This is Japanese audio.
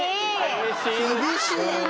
厳しいね！